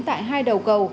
tại hai đầu cầu